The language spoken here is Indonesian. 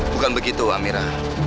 bukan begitu amira